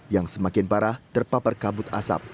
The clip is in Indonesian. yang semakin parah terpapar kabut asap